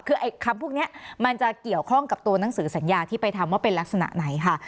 คือไอ้คำพวกนี้มันจะเกี่ยวข้องกับตัวหนังสือสัญญาที่ไปทำว่าเป็นลักษณะไหนค่ะ